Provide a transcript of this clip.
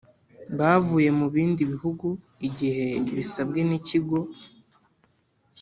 bavuye mu bindi bihugu igihe bisabwe n Ikigo